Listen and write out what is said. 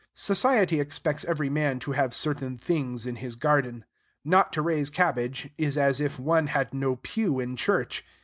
Society expects every man to have certain things in his garden. Not to raise cabbage is as if one had no pew in church.